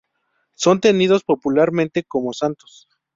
Son tenidos popularmente como santos.